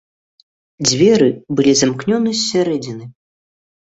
Дзверы былі замкнёны з сярэдзіны.